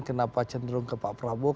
kenapa cenderung ke pak prabowo